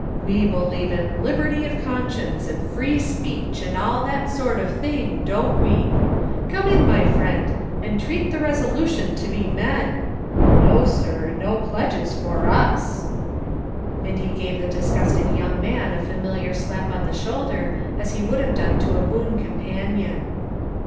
We believe in liberty of conscience, and free speech, and all that sort of thing, don't we? Come in, my friend, and treat the resolution to be men. No, sir, no pledges for us." And he gave the disgusted young man a familiar slap on the shoulder as he would have done to a boon companion.